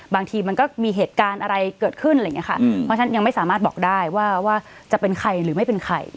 บางทีมันก็มีเหตุการณ์อะไรเกิดขึ้นอะไรอย่างนี้ค่ะเพราะฉะนั้นยังไม่สามารถบอกได้ว่าจะเป็นใครหรือไม่เป็นใคร